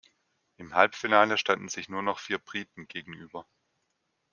Im Halbfinale standen sich nur noch vier Briten gegenüber.